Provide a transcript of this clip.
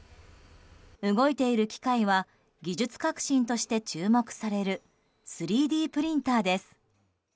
動いている機械は技術革新として注目される３Ｄプリンターです。